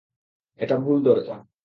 এটা ভুল দরজা!